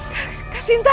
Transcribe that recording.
kak kak sinta